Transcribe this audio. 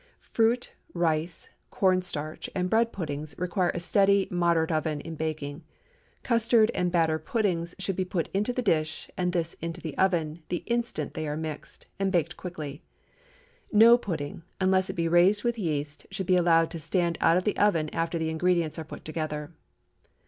Fruit, rice, corn starch, and bread puddings require a steady, moderate oven in baking. Custard and batter puddings should be put into the dish, and this into the oven, the instant they are mixed, and baked quickly. No pudding, unless it be raised with yeast, should be allowed to stand out of the oven after the ingredients are put together.